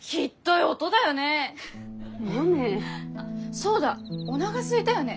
そうだおながすいたよね？